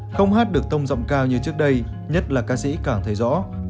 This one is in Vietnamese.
không hát được tông rộng cao như trước đây nhất là ca sĩ càng thấy rõ